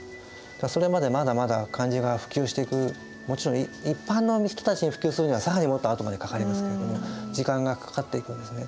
それまでまだまだ漢字が普及していくもちろん一般の人たちに普及するには更にもっとあとまでかかりますけれども時間がかかっていくんですね。